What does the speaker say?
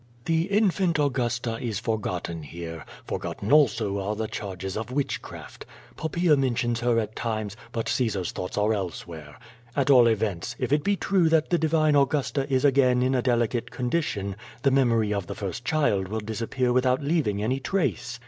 The infant Augusta is forgotten here; forgotten also are the charges of witchcraft. Poppaea mentions her at times, but Caesar's thoughts are elsewhere. At all events, if it be true that the divine Augusta is again in a delicate condition, the memory of the first child wiU disappear without leaving any trace.